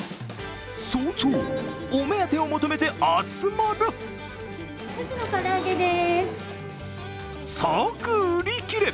早朝、お目当てを求めて集まる。